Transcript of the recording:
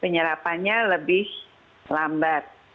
penyerapannya lebih lambat